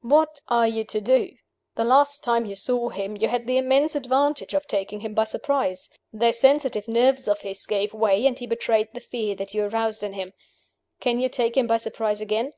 What are you to do? The last time you saw him, you had the immense advantage of taking him by surprise. Those sensitive nerves of his gave way, and he betrayed the fear that you aroused in him. Can you take him by surprise again?